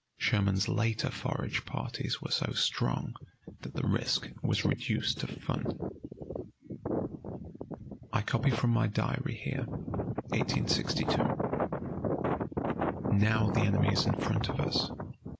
Sherman's later forage parties were so strong that the risk was reduced to fun. I copy from my diary here (1862): "Now the enemy is in front of us.